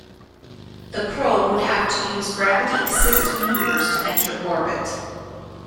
The probe would have to use gravity assist maneuvers to enter orbit.